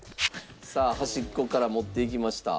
さあ端っこから持っていきました。